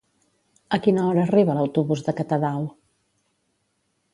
A quina hora arriba l'autobús de Catadau?